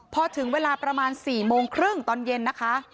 พอถึงเวลาประมาณ๔โมงครึ่งตอนเย็นนะคะ